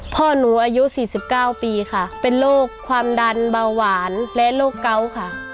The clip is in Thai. พ่อหนูอายุ๔๙ปีค่ะเป็นโรคความดันเบาหวานและโรคเกาะค่ะ